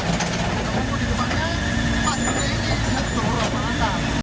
kita ngomong di depannya empat hari ini dan berurang berangkan